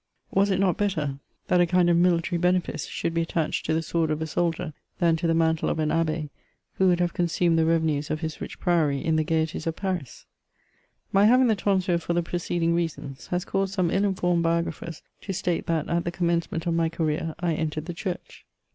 Was it not better that a kind of military 1 200 MEMOmS OF benefice should be attached to the sword of a soldier than to the mantle of an abbe, who would have consumed the revenues of his rich priory in the gaieties of Paris ?* My having the tonsure for the preceding reasons, has caused some ill informed biographers to state that at the commencement of my career I entered the Church.